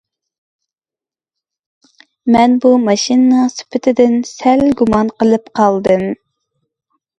مەن بۇ ماشىنىنىڭ سۈپىتىدىن سەل گۇمان قىلىپ قالدىم.